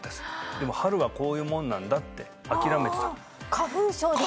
でも春はこういうもんなんだって諦めてた花粉症ですね